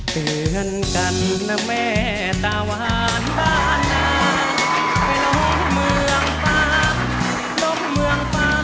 เตือนกันนะแม่ตาวานบ้านน้ำไปลบเมืองฟ้า